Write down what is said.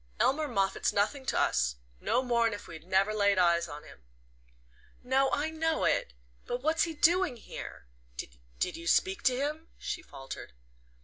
Elmer Moffatt's nothing to us no more'n if we never laid eyes on him." "No I know it; but what's he doing here? Did you speak to him?" she faltered.